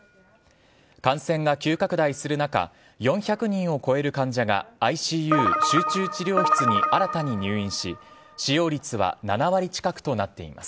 感染が急拡大する中、４００人を超える患者がＩＣＵ・集中治療室に新たに入院し、使用率は７割近くとなっています。